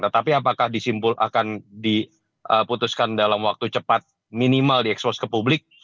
tetapi apakah disimpul akan diputuskan dalam waktu cepat minimal diekspos ke publik